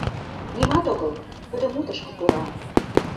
Нимат огыл, тудо мутышко пура.